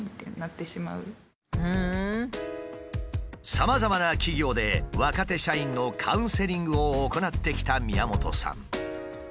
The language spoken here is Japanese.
さまざまな企業で若手社員のカウンセリングを行ってきた宮本さん。